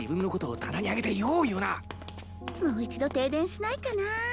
もう一度停電しないかなぁ